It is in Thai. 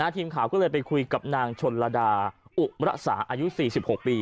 ทีมข่าวก็เลยไปคุยกับนางชนระดาอุมระสาอายุ๔๖ปี